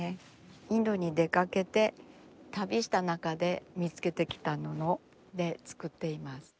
インドに出かけて旅した中で見つけてきた布で作っています。